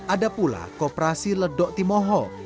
ada pula koperasi ledok timoho